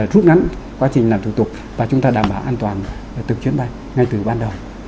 rút ngắn quá trình làm thủ tục và chúng ta đảm bảo an toàn từng chuyến bay ngay từ ban đầu